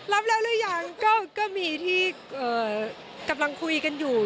รับแล้วหรือยังก็มีที่กำลังคุยกันอยู่